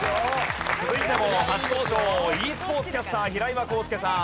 続いても初登場ｅスポーツキャスター平岩康佑さん。